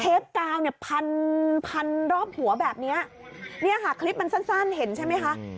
กาวเนี่ยพันพันรอบหัวแบบนี้เนี่ยค่ะคลิปมันสั้นเห็นใช่ไหมคะ